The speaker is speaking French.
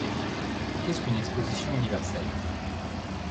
Qu'est-ce qu'une exposition universelle?